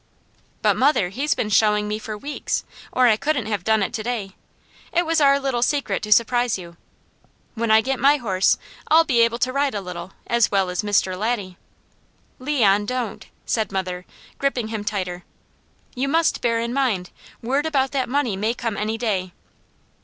"But, mother, he's been showing me for weeks, or I couldn't have done it to day. It was our secret to surprise you. When I get my horse, I'll be able to ride a little, as well as Mr. Laddie." "Leon, don't," said mother, gripping him tighter. "You must bear in mind, word about that money may come any day."